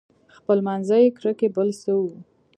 خپلمنځي کرکې بل څه وو.